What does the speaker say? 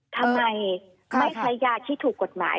ทำไมไม่ใช้ยาที่ถูกกฎหมาย